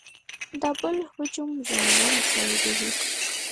د بل هجوم زمینه مساعد وي.